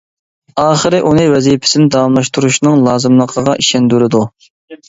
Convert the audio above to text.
ئاخىرى ئۇنى ۋەزىپىسىنى داۋاملاشتۇرۇشنىڭ لازىملىقىغا ئىشەندۈرىدۇ.